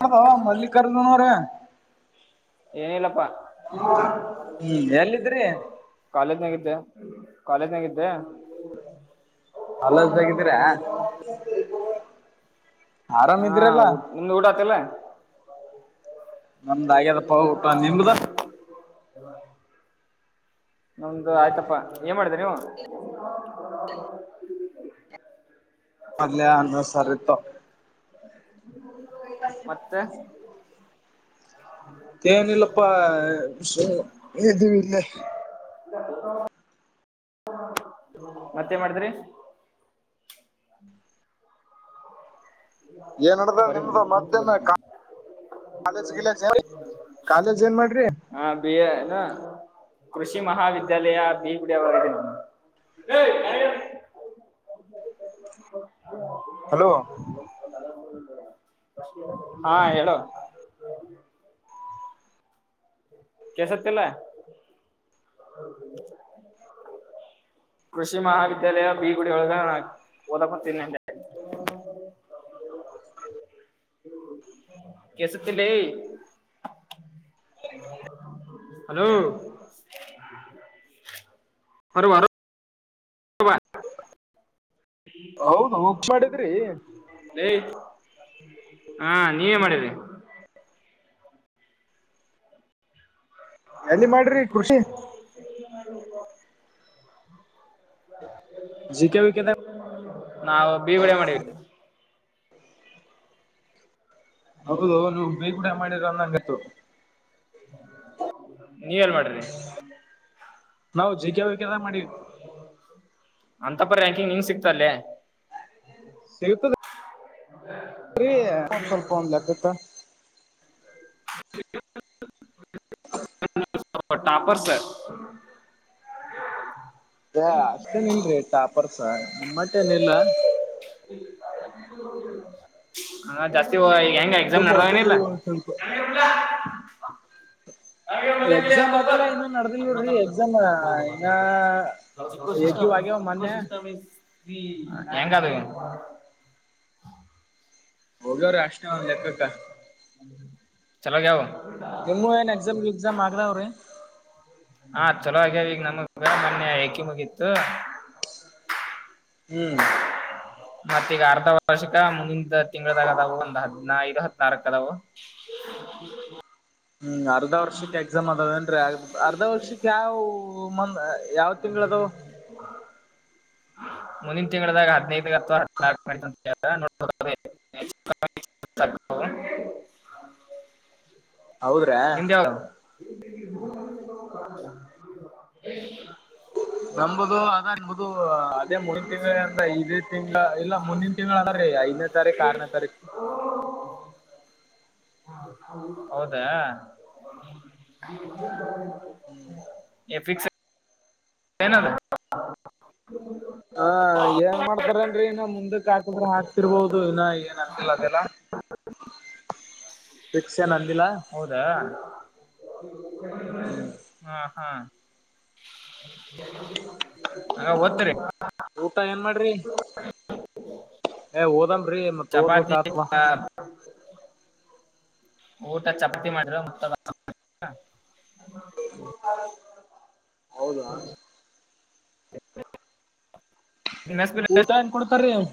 ಹ ಬ ಮಲ್ಲಿಿಕಾರ್ಜುನ ಅವರೇ ಏನಲಾ ಇಲ್ಲಪ್ಪಾ ಹ್ಮ್ ಎಲ್ಲಿದ್ರಿ ಕಾಲೇಜ್ನಾಗಿದ್ದೆ ಕಾಲೇಜ್ನಾಗಿದ್ದೆ ಕಾಲೇಜ್ ನಾಗ ಇದ್ರ ಹಾ ಊ ನಿಮ್ದ ಊಟ ಆಯಿತು ಇಲ್ಲ ನಮ್ದ ಹಾಗೆದ ಊಟ ನಿಮ್ದ ನಮ್ದು ಆಯ್ತಪ್ಪಾ ಏನ್ ಮಾಡಿದ ನೀವು ಮೊದಲೇ ಅನ್ನಾ ಸಾಂಬಾರ್ ಇತ್ತು ಮತ್ತೆ ಏನಿಲ್ಲಪ್ಪಾ ಇಲ್ಲ ಹ ಮತ್ತೆ ಮಾಡಿದ್ರಿ ಏನ್ಡ್ದ ಬರಿ ನಿಮ್ದ ಕುಂತು ಮತ್ತೇ ಬರಿ ಕಾಲೇಜ್ ಏನ್ ಮಾಡ್ರಿ ಹಾ ಬಿಯ ನ ಕೃಷಿ ಮಹಾವಿದ್ಯಾಲಯ ಬಿ ಗುಡಿಯವಾಗಿದೆ ನು ಹಲೋ ಹ ಹಾ ಹೇಳೋ ಕ ಸತ್ಯಲ್ಲ ಕೃಷಿ ಮಹಾವಿದ್ಯಾಲಯ ಬಿ ಗುಡ ಒಳಗ ನಾ ಓದಾ ಕೊತೀನಿ ಅ [unintelligible] [inaudible] ಕೆಸತಿಲ್ಲ ಹಲೋ ಹೊ ಬಾರ ಹೌದು ಹೋಗ್ ಮಾಡಿದ್ರಿ ಲ ಹಾ ನೀವೇ ಮಾಡಿದ್ರಿ ಎಲ್ಲಿ ಮಾಡ್ರಿ ಖುಷಿ ಹ ಜಿ ಕೆವಿ ಕೆ ನಾವು ಬೀಗಳ ಮಾಡಿವ ಹೌದು ನೀ ಬೇಗೂಡ ಮಾಡಿರ ಅಂದಂಗತ್ತು [inaudible] ನೀವ ಎಲ್ ಮಾಡ್ರಿ ನಾವು ಜಿ ಕೆ ವಿ ಕೆದಾಗ ಮಾಡಿವಿ [inaudible] ಅಂತಪ್ಪ ರ್ಯಾಂಕಿಂಗ್ ನಿಂಗ ಸಿಕ್ತಲ್ಲೆ ಸಿಗತದೆ ಬ್ರೀ [unintelligible] ಸ್ವಲ್ಪ ಒಂದ್ಲತತ್ತ [inaudible] [unintelligible] ಟಾಪರ್ ಸರ್ [inaudible] ಅಷ್ಟೇನ್ ಇಲ್ರೀ ಟಾಪರ್ಸ ನಿಮ್ಮಮಟ್ಟೇಏನ ಇಿಲ್ಲ [inaudible] ಹ ಜಾಸ್ತಿ ಈ ಹೆಂಗ ಎಕ್ಸಾಮ್ ತುಂಬ ನಡೆದವನ ಇಲ್ಲ ಓದಿದೀವಿ [inaudible] ಎಕ್ಸಾಮ್ ಅದೆಲ್ಲಾ ಇನ್ನೊ ನಡೆದಿಲ್ವ್ರಿ ಎಕ್ಸಾಮ್ ಹಂಗ ಕೊಸಷ್ಟತ [unintelligible] ಕಷುಿಸ್ತ ಮ ಈ ಎಂಗಾದ [inaudible] ಹೋಗವ್ರೆ ಅಷ್ಟೇ ಒಂದ್ ಲೆಕ್ಕಕ್ಕ ಚಲೋಆಗ್ಯಾವು ನಿಮ್ಮ ಏನ್ ಎಕ್ಸಾಮ್ ಗಿಕ್ಸಾಮ್ ಆಗ್ರ ಅವ್ರಿ ಹಾ ಚಲೋ ಆಗ್ಯಾವ ಈಗ ನಮಗ ಮೊನ್ನೆ ಎಏಕಿ ಮುಗಿತ್ತು ಹ್ಮ್ ಮತ್ತ ಈಗ ಅರ್ಧ ವಾರ್ಷಿಕ ಮುಂದಿನ ತಿಂಗಳದಾಗ ಅದಾವ ಒಂದ್ ಹದ್ನ ದು ಹದ ನಾರಕ್ ಅದಾವ [inaudible] [inaudible] ಹ್ಮ್ ಅರ್ಧ ವರ್ಷಕ್ಕೆ ಎಕ್ಸಾಮ್ ಅದದೇನ್ ಅರ್ಧ ವರ್ಷಕ್ಕೆ ಯಾವ ಮಂದ ಯಾವ್ ತಿಂಗಳದವ್ ಮುಂದಿನ ತಿಂಗಳದಾಗ ಹದಿನೈದ ಅಥವಾ ಹದಲ್ಕು [unintelligible] [unintelligible] [inaudible] ಹೌದ್ರಾ ನಿಮ್ದ [inaudible] ನಂಬುದು ಅದ ನಿಮ್ದು ಅದೇ ಮುಂದಿನ ತಿಂಗಳುಗಳಂದ್ರ ಐದು ತಿಂಗಳು ಇಲ್ಲ ಮುಂದಿನ ತಿಂಗಳ ಅಣ್ರೀ ಐದನೇ ತಾರೀಕ್ು ಆರನೇ ತಾರೀಕು [inaudible] [inaudible] ಹೌದಾ [inaudible] ಎಫಿಕ್ಸ್ ಏನದ [unintelligible] ಹ ಏನ್ ಮಾಡ್ತಾರನ್ರಿ ನ ಮುಂದಕ್ಕೆ ಹಾಕಿದ್ರ ಹಾಕ್ತಿರ್ಬೋದು ಇನ್ನ ಏನ್ ಅಂದಿಲ್ಲ ಅದೆಲ್ಲ [unintelligible] ರಿಕ್ಷಾ ಹೌದಾ [inaudible] ಹ್ಮ್ ಹಾ ಹಾ [inaudible] ಅಂಗಾರೆ ಓದ್ತಿರಿ ಊಟ ಏನ್ ಮಾಡ್ರಿ [inaudible] ಏ ಹಓದಂಬ ್ರೇ ಮತ್ತತ್ ಓದ್ಬೇಕ ಚಪಾತಿ ಆತ್ವಾ [inaudible] ಆ, ಊಟ ಚಪಾತಿ ಮಾಡ್ರ [unintelligible] ಮ ಹೌದಾ ಹ [unintelligible] ಊಟಎನ್ಕೊಡ್ತಾರ್ರಿ [inaudible]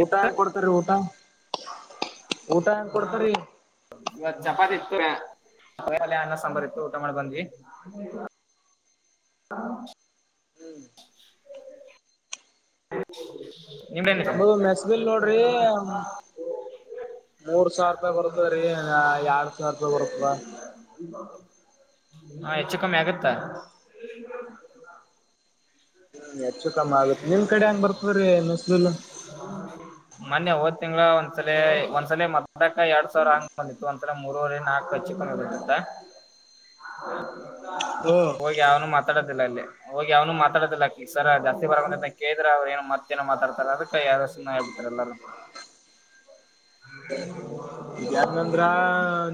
ಊಟ ಎಷ್ಟ? ಹೆಂಗ್ ಕೊಡ್ತರಿ ಊಟ [inaudible] ಊಟ ಹೆಂಗ್ ಕೊಡ್ತಾರೀ ಇವತ್ ಇತ್ತು ಅಲ್ಲ ಅನ್ನ ಸಾಂಬಾರ ಇತ್ತು ಊಟ ಮಾಡಿ ಬಂದ್ವಿ ಹಾ ಹ [unintelligible] ನಮ್ದ ಮೆಸಬಿಲ್ ನೋಡ್ರಿ ಮೂರ್ ಸಾವಿರ ರೂಪಾಯಿ ಬರ್ತದ ರೀ ಎರಡ್ ಸಾವಿರ ರೂಪಾಯಿ ಬರ್ತದ ಹಾ ಹೆಚ್ಚು ಕಮ್ಮಿ ಆಗತ್ತಾ [unintelligible] ಹ್ಮ್ ಹೆಚ್ಚು ಕಮ್ಮಿ ಆಗುತ್ತೆ ನಿಮ್ ಕಡೆ ಹೆಂಗ್ ಬರ್ತವ್ರೀ ಮಸ್ಲುಲ್ಲ ಮೊನ್ನೆ ಹೋದ್ ತಿಂಗಳ ಒಂದಸಲ ಒಂದ್ಸಲ ಮದ್ಕ ಎರಡ್ ಸಾವಿರ ಹಂಗ್ ಬಂದಿತ್ತು ಒಂದಸಲ ಮೂರೂವರೆ ನಾಲ್ಕು ಹಚ್ಚಿಕೊಂಡ ಇರ್ತ್ತತ್ತ ಹ ಹೋಗಿ ಅವನು ಮಾತಾಡೋದಿಲ್ಲ ಅಲ್ಲಿ ಹೋಗಿ ಅವನು ಮಾತಾಡೋದಿಲ್ಲ ಈ ಸರ ಜಾಸ್ತಿ ಬರಂತ ಕೇಳಿದ್ರೆ ಅವ್ರ ಏನು ಮತ್ತೇಏೋ ಮಾತಾಡ್ತಾರೆ ಅದಕ್ಕೆ ಯಾರು ಸು ಹೇಳ್ಬಡ್ತಾರೆ ಎಲ್ಲಾರೂ ಹ ಈಗ್ಯಾಂಗಂದ್ರ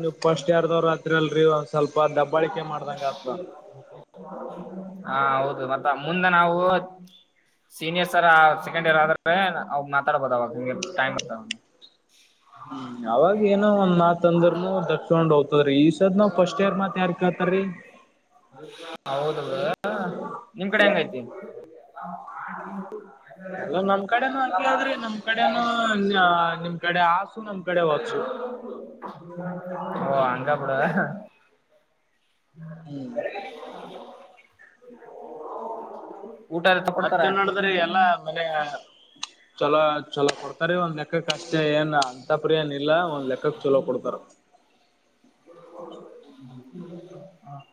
ನೀವುಫಸ್ ಯಾರದವ್ರ ಅತ್ರಲ್ರಿ ಒಂದ್ ಸ್ವಲ್ಪ ದಬ್ಬ ಬಾಳಕೆ ಮಾಡ್ದಂಗ ಹತ್ರ ಹಾ ಹೌದು ಮತ್ತ ಮುಂದೆ ನಾವು ಸೀನಿಯರ್ ಸರ್ ಸೆಕೆಂಡ್ ಇಯರ್ ಆದ್ರೆ ಅವಾಗ ಮಾತಾಡ್ಬಹದು ಅವಾಗ ನಿ ಟೈಮ್ ಇ ಹ್ಮ್ ಅವಾಗ ಏನೋ ಒಂದ್ತ್ ಅಂದ್ರರುನು ದರ್ಸ್ಕೊಂಡ್ ಹೋಗ್ತದ್ರೀ ಈ ಸದ್ ನಾವ್ ಫಸ್ಟ್ ಇಯರ್ ಮತ್ ಯಾರ್ಕ ಹೌದ ನಿಮ ಕಡೆ ಹೆಂಗೈತಿ ಎಲ್ಲ ನಮ್ ಕಡೆನ ಹಗ್ ಆದ್ರಿ ನಮ್ ಕಡೆ ನಿಮ್ ಆಸು ನಮ್ ಕಡೆ ವಾತ್ಸು ಹ ಅ ಹ್ಮ್ ಕಡ [inaudible] ಅತ್ತೇನ್ ನಡದ್ರೀ ಎಲ್ಲಾ ಮನೆ ಚಲೋ ಚಲೋ ಕೊಡ್ತಾರಿ ಒಂದ್ ಲೆಕ್ಕಕ್ ಅಷ್ಟೇ ಏನ್ ಅಂತಪ್ರಿಯನ ಇಿಲ್ಲ ಒಂದ್ ಲೆಕ್ಕಕ್ ಚಲೋ ಕೊಡ್ತಾರ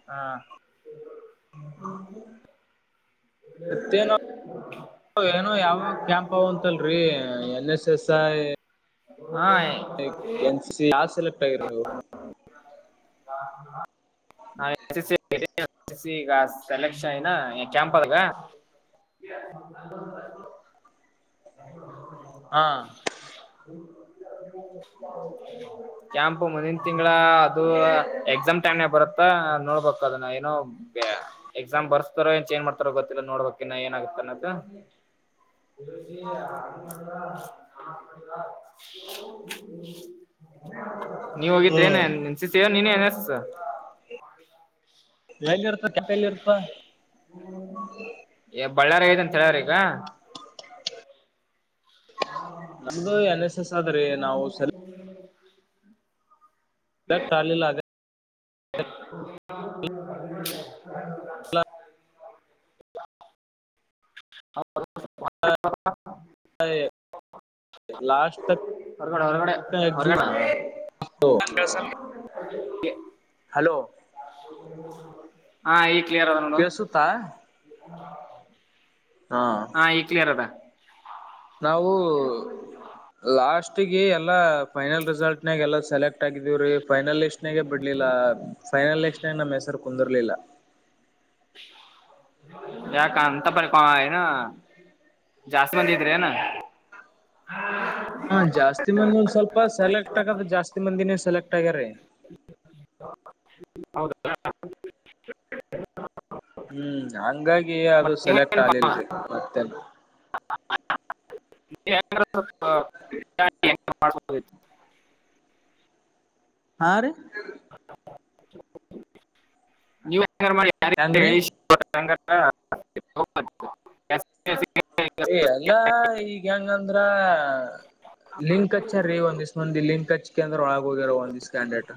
ಹಾ ಮತ್ತೇನೋ ಏನೋ ಯಾವ ಕ್ಯಾಂಪ್ಂತಲ್ರರಿ ಎನ್ ಎಸ್ ಎಸ್ ಐ ಹಾ ಎನ್ ಸಿ ಯಸಲ ಪ ಹ ನಾನು ಎಸ್ಸ್ ಎ ಸೆಲೆಕ್ಷನ್ ಐನ ಕ್ಯಾಂಪಗ ಯ ನ ್ಮ ಹ ಕ್ಯಾಂಪ್ ಮುಂದಿನ ತಿಂಗಳ ಅದು ಎಕ್ಸಾಮ್ ಟೈಮ್ ನ ಬರುತ್ತಾ ನ ನೋಡ್ಬ ಅದನ್ನ ಏನ ಎಕ್ಸಾಮ್ ಬರ್ಸ್ತಾರೋಏ ಚೇಂಜ್ ಮಾಡ್ತಾರೋ ಗೊತ್ತಿಲ್ಲ ನೋಡ್ಬೇಕನ್ನ ಏನಾಗತ್ತ ಅದದು ಉದ [inaudible] ನೀವ ಹೋಗಿದ್ರೆ ಹ್ಮ್ ನ ನೆನ್ಸತಿ ನೀನೇ ನ ಎಲ್ಲಿ ಇರ್ತ ಕೆಪ ಎಲ್ಲಿ ಇರ್ತ ಬಳ್ಳಾರಿ ಐದಂತ ಹೇಳ್ರ ಈಗ ಹ ನಮ್ದು ಎನ್ ಎಸ್ ಎಸ್ ಆದ್ರಿ ನಾವು ಸೆಲೆಕ್ಟ್ ಟಳಿಲ್ಲ [inaudible] ಹೌ ಲಾಸ್ಟ್ ತ ಹೊರಗಡೆ ಹೊರಗಡೆ ಹೊರಗಡೆ ಹಲೋ ಹಾ ಈ ಕೆಸುುತ್ತಾ ಹಾ ಈ ಕ್ಲಿಯರ್ ಅದ ನಾವು ಲಾಸ್ಟ್ಗೆ ಎಲ್ಲಾ ಫೈನಲ್ ರಿಸಲ್ಟ್ ನಾಗ ಎಲ್ಲ ಸೆಲೆಕ್ಟ್ ಆಗಿದೀವ್ರೀ ಫೈನಲ್ ಎಸ್ಟ್ಾಗೇ ಬಿಡ್ಲಿಲ್ಲ ಫೈನಲ್ ಲ ಎಕ್ಾಗ ನ್ ಹೆಸರು ಕುಂದಿರ್ಲಿಲ್ಲ ಯಕಾಣಂತ ಬ ಕ ಆನ ಜಾಸ್ತಿ ಮಂದಿ ಇದ್ರಿಏನಾ ಹಾ ಜಾಸ್ತಿ ಮಂದ ಸ್ವಲ್ಪ ಸೆಲೆಕ್ಟ್ ಆಗ ಜಾಸ್ತಿ ಮಂದಿನೇ ಸೆಲೆಕ್ಟ್ ಆಗ್ಯಾರ ಹೌದ ಹ್ಮ್ ಹಂಗಾಗಿ ಅದು ಸೆಲೆಕ್ಟ್ ಆಗ್ಲಿಲ್ರಿ ಮತ್ತೆ ನೀ್ರೆ ಸ್ವಲ್ಪ ಮಾಡ್ಬೋ ಹಾ ರೀ ನೀವ ಹೆಂಗ ಮಾಡಿ ಯ ಹೆಂಗ್ರೀ ಹೇಳ ಹಾ ಏ ಎಲ್ಲ ಈಗ ಹೆಂಗಂದ್ರ ಲಿಂಕ್ಚ್ಚಾರಿರಿ ಒಂದ್ ಇಷ್ಟಂದ ದಲ್ಲಿ ಕಚ್ ಅಂದ್ರ ಒಳಾಗರ ಸ್ಕ್ಯಾಡಟ